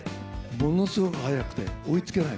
ものすごく速くて、追いつけない。